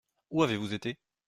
Où avez-vous été ?